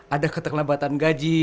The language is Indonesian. ada keterlambatan gaji